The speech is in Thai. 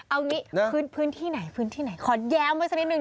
เอาอย่างนี้พื้นที่ไหนขอแย้มไว้สักนิดหนึ่ง